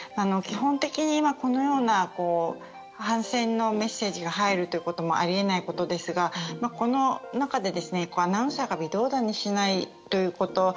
基本的にはこのような反戦のメッセージが入るということもあり得ないことですが、この中でアナウンサーが微動だにしないということ。